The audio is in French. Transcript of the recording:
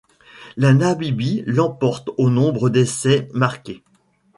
La Namibie l'emporte au nombre d'essais marqués.